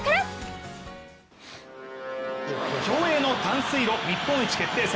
競泳の短水路日本一決定戦。